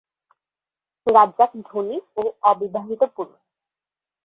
রাজ্জাক ধনী ও অবিবাহিত পুরুষ।